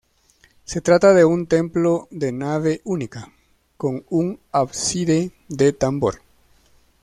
Se trata de un templo de nave única, con un ábside de tambor.